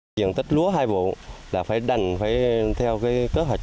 chuyển tích lúa hai vụ là phải đành theo cơ hạch